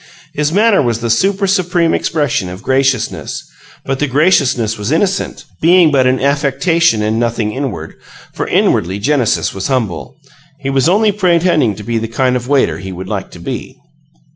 His manner was the super supreme expression of graciousness, but the graciousness was innocent, being but an affectation and nothing inward for inwardly Genesis was humble. He was only pretending to be the kind of waiter he would like to be.